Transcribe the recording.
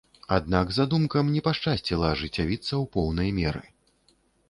Аднак задумкам не пашчасціла ажыццявіцца ў поўнай меры.